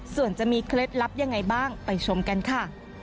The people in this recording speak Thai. ส่วนจะมีเคล็ดลับยังไงบ้างไปชมกันค่ะ